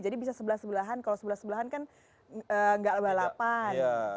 jadi bisa sebelah sebelahan kalau sebelah sebelahan kan gak lebar lebar